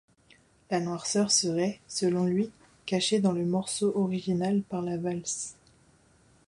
La noirceur serait, selon lui, cachée dans le morceau original par la valse.